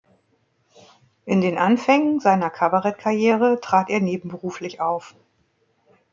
In den Anfängen seiner Kabarett-Karriere trat er nebenberuflich auf.